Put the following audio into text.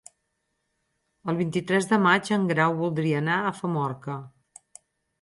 El vint-i-tres de maig en Grau voldria anar a Famorca.